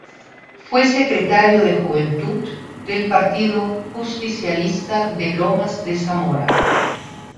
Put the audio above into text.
Fue Secretario de Juventud del Partido Justicialista de Lomas de Zamora.